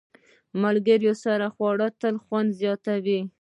د ملګرو سره خواړه تل خوند زیاتوي.